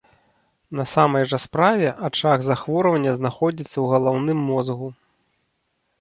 На самай жа справе ачаг захворвання знаходзіцца ў галаўным мозгу.